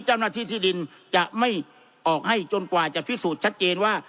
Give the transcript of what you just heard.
เจ้าหน้าที่ที่ดินจะไม่ออกให้จนกว่าจะพิสูจน์ชัดเจนว่า